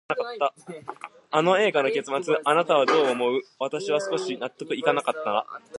あの映画の結末、あなたはどう思う？私は少し納得いかなかったな。